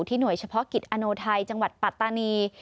หน่วยเฉพาะกิจอโนไทยจังหวัดปัตตานี